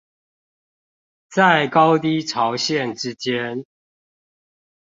在高低潮線之間